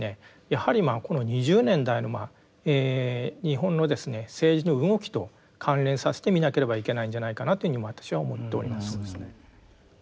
やはりこの２０年代の日本の政治の動きと関連させて見なければいけないんじゃないかなというふうに私は思っております。